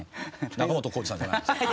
仲本工事さんじゃないんですよね。